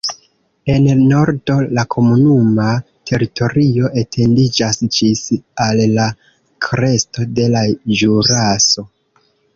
En nordo la komunuma teritorio etendiĝas ĝis al la kresto de la Ĵuraso.